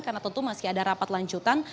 karena tentu masih ada rapat lanjutan